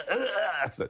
っつって。